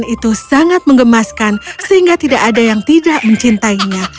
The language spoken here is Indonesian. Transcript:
itu sangat mengemaskan sehingga tidak ada yang tidak mencintainya